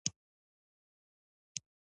چې محمودالحسن یې انګرېزانو ته تسلیم کړی دی.